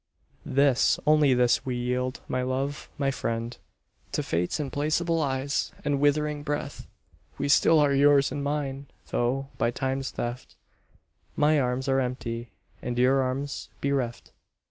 This, only this we yield, my love, my friend, To Fate's implacable eyes and withering breath. We still are yours and mine, though, by Time's theft, My arms are empty and your arms bereft.